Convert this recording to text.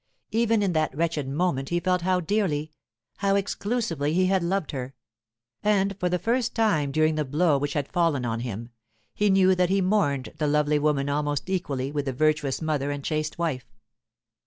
Even in that wretched moment he felt how dearly, how exclusively he had loved her; and for the first time during the blow which had fallen on him, he knew that he mourned the lovely woman almost equally with the virtuous mother and chaste wife.